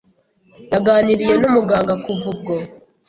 Yaganiriye n’umuganga kuva ubwo